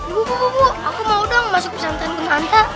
bu bu bu bu aku mau dong masuk pesantren kenanta